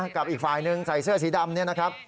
กับอีกฝ่ายหนึ่งใส่เสื้อสีดำเนี่ยนะครับ